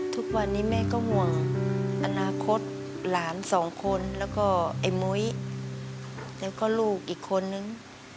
ทุกวันนี้แม่ก็ห่วงอนาคตหลานสองคนแล้วก็ไอ้มุ้ยแล้วก็ลูกอีกคนนึง